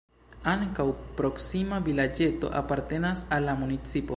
Ankaŭ proksima vilaĝeto apartenas al la municipo.